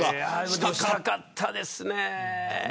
したかったですね。